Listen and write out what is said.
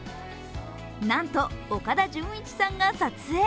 なんと、岡田准一さんが撮影。